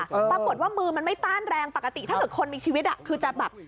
ปรากฏว่ามือมันไม่ต้านแรงปกติถ้าเกิดคนมีชีวิตอ่ะคือจะแบบ